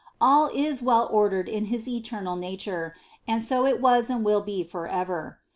All is well ordered in his eternal nature, and so it was and will be forever.